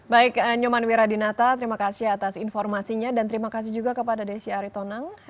baik nyoman wiradinata terima kasih atas informasinya dan terima kasih juga kepada desi aritonang